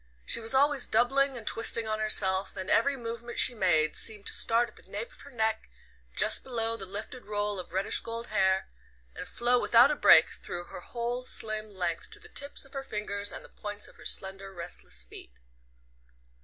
She was always doubling and twisting on herself, and every movement she made seemed to start at the nape of her neck, just below the lifted roll of reddish gold hair, and flow without a break through her whole slim length to the tips of her fingers and the points of her slender restless feet.